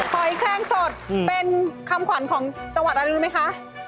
หอยแคลงสดเป็นคำขวัญของจังหวัดอะไรรู้ไหมคะ